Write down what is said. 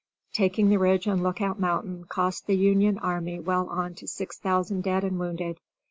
Taking the Ridge and Lookout Mountain cost the Union army well on to six thousand dead and wounded.